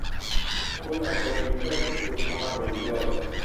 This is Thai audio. คุณอาจจะมีเพื่อนที่คุณสามารถไปอยู่ด้วย